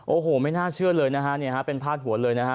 โอ้โหไม่น่าเชื่อเลยนะฮะเนี่ยฮะเป็นพาดหัวเลยนะฮะ